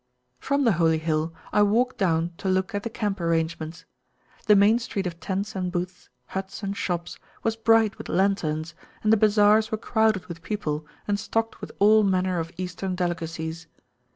From the Holy Hill I walked down to look at the camp arrangements. The main street of tents and booths, huts and shops, was bright with lanterns, and the bazars were crowded with people and stocked with all manner of Eastern delicacies.